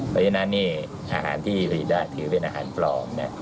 เพราะฉะนั้นนี่อาหารที่ผลิตได้ถือเป็นอาหารปลอม